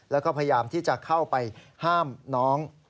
แล้วก็พยายามที่จะเข้าไปห้ามน้อง